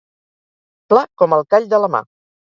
Pla com el call de la mà.